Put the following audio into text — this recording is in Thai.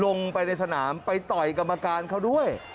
ลงไปในสนามไปต่อยกรรมการเขาด้วย